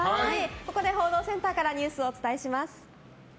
ここで報道センターからニュースをお伝えします。